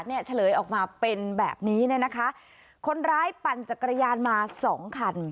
เฉลยออกมาเป็นแบบนี้เนี่ยนะคะคนร้ายปั่นจักรยานมาสองคัน